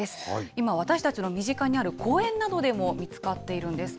今、私たちの身近にある公園などでも見つかっているんです。